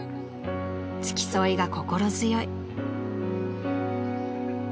［付き添いが心強い］